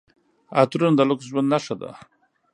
عطرونه د لوکس ژوند نښه ده.